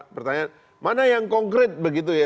pertanyaan mana yang konkret begitu ya